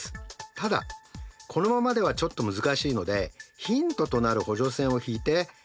ただこのままではちょっと難しいのでヒントとなる補助線を引いて考えていきましょう。